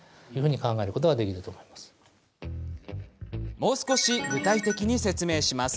もう少し具体的に説明します。